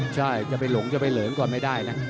ใช่จะไปหลงจะไปเหลิงก่อนไม่ได้นะ